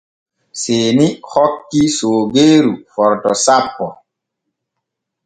Seeni hokki soogeeru forto sappo.